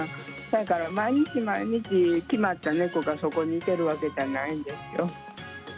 だから毎日毎日、決まった猫がそこにいてるわけじゃないんですよ。